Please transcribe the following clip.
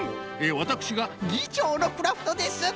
わたくしがぎちょうのクラフトです。